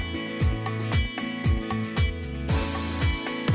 โปรดติดตามตอนต่อไป